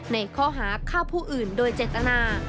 ในข้อหาฆ่าผู้อื่นโดยเจตนา